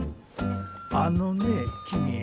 あのね君。